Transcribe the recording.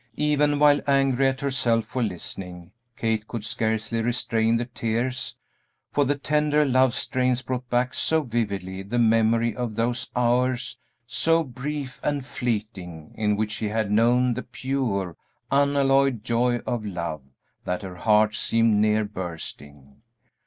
Even while angry at herself for listening, Kate could scarcely restrain the tears, for the tender love strains brought back so vividly the memory of those hours so brief and fleeting in which she had known the pure, unalloyed joy of love, that her heart seemed near bursting.